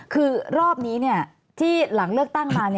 คือรอบนี้ที่หลังเลือกตั้งมา